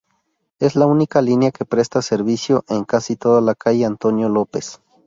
Es la única línea que presta servicio en casi toda la calle Antonio López.